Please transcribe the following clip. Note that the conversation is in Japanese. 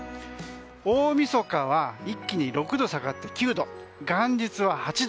大みそかは、一気に６度下がって９度、元日は８度。